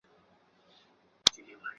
埃舍奈。